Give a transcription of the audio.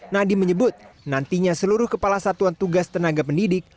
nadiem menyebut nantinya seluruh kepala satuan tugas tenaga pendidik